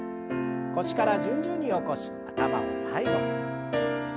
腰から順々に起こし頭を最後に。